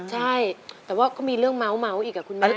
ใช่แต่ว่าก็มีเรื่องเมาส์อีกอ่ะคุณแม่